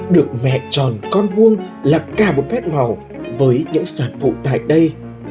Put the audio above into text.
được vẽ tròn con vuông là cả một phép màu với những sản phụ tại đây